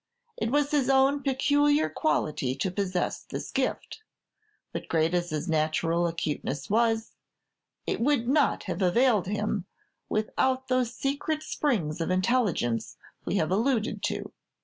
It was his own peculiar quality to possess this gift; but great as his natural acuteness was, it would not have availed him, without those secret springs of intelligence we have alluded to.